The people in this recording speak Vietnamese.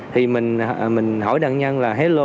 thì mình hỏi nạn nhân là hello